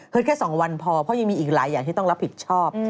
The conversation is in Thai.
แค่๒วันพอเพราะยังมีอีกหลายอย่างที่ต้องรับผิดชอบ